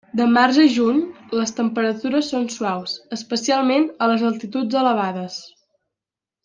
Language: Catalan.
De març a juny, les temperatures són suaus, especialment a les altituds elevades.